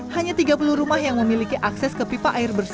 hanya tiga puluh rumah yang memiliki akses ke pipa air bersih